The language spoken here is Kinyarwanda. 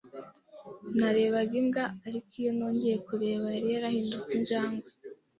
Narebaga imbwa. Ariko, iyo nongeye kureba, yari yarahindutse injangwe.